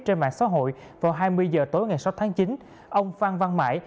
trên mạng xã hội vào hai mươi giờ tối ngày sáu tháng chín ông phan văn mãi